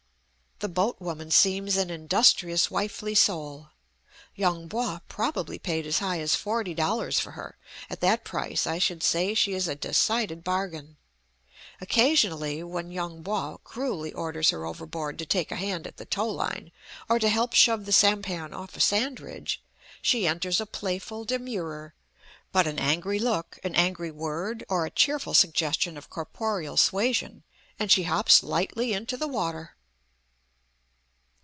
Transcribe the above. The boat woman seems an industrious, wifely soul; Yung Po probably paid as high as forty dollars for her; at that price I should say she is a decided bargain. Occasionally, when Yung Po cruelly orders her overboard to take a hand at the tow line, or to help shove the sampan off a sand ridge, she enters a playful demurrer; but an angry look, an angry word, or a cheerful suggestion of "corporeal suasion," and she hops lightly into the water.